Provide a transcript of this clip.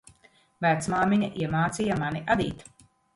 Vecmāmiņa iemācīja mani adīt.